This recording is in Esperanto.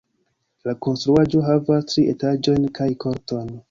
La konstruaĵo havas tri etaĝojn kaj korton.